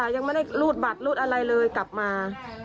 ยังไม่ได้รูดบัตรรูดอะไรเลยกลับมา